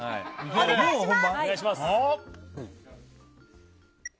お願いします！